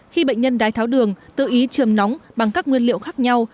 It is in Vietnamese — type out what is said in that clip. khi bệnh nhân đái tháo đường tự ý trường nóng bằng các nguyên liệu khác nhau